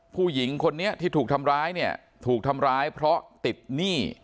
ผู้หญิงคนนี้ที่ถูกทำร้ายเนี่ยถูกทำร้ายเพราะติดหนี้